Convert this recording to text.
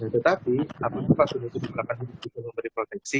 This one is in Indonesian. tetapi apa itu vaksin itu di belakang uji klinis itu memberi proteksi